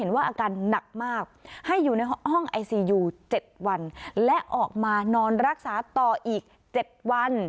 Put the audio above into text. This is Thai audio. ๗วันและออกมานอนรักษาต่ออีก๗วัน